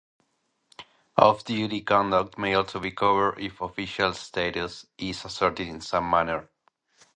Off-duty conduct may also be covered if official status is asserted in some manner.